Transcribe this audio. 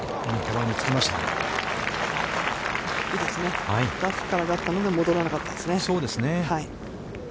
ラフからだったので、戻らなかったですね。